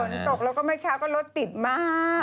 ฝนตกแล้วก็เมื่อเช้าก็รถติดมาก